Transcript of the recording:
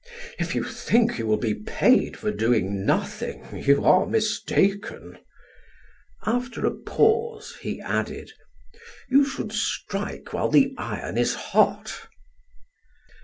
If you think you will be paid for doing nothing, you are mistaken." After a pause, he added: "You should strike while the iron is hot."